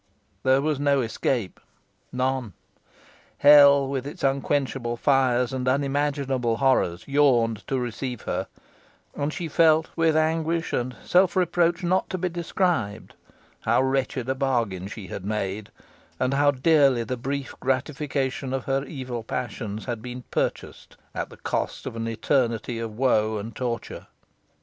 There was no escape none! Hell, with its unquenchable fires and unimaginable horrors, yawned to receive her; and she felt, with anguish and self reproach not to be described, how wretched a bargain she had made, and how dearly the brief gratification of her evil passions had been purchased at the cost of an eternity of woe and torture.